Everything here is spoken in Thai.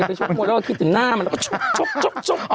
ชกมวยแล้วก็คิดถึงหน้ามันแล้วก็ชก